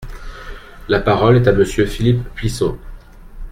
La parole est à Monsieur Philippe Plisson.